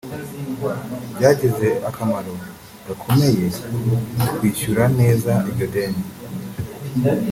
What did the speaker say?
byagize akamaro gakomeye ku kwishyura neza iryo deni